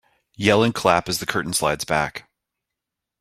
Yell and clap as the curtain slides back.